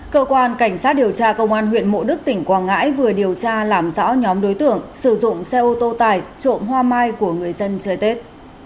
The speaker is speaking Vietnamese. cơ quan cảnh sát điều tra công an huyện mộ đức tỉnh quảng ngãi vừa điều tra làm rõ nhóm đối tượng sử dụng xe ô tô tải trộm hoa mai của người dân chơi tết